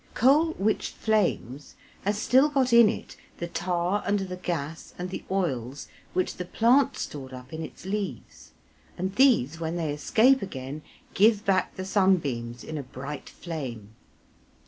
Coal which flames has still got in it the tar and the gas and the oils which the plant stored up in its leaves, and these when they escape again give back the sunbeams in a bright flame.